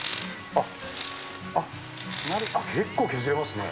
あっ。